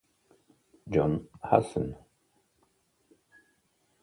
John Hazen